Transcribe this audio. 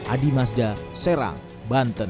adi mazda serang banten